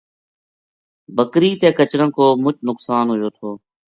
بکری تے کچراں کو مُچ نقصان ہویو تھو